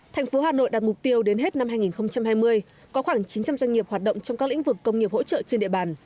thành phố hà nội đạt mục tiêu đến hết năm hai nghìn hai mươi có khoảng chín trăm linh doanh nghiệp hoạt động trong các lĩnh vực công nghiệp hỗ trợ trên địa bàn